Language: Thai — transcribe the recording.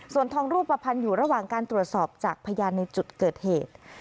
ส่วนทองรูปภัณฑ์อยู่ระหว่างการตรวจสอบจากพยานในจุดเกิดเหตุ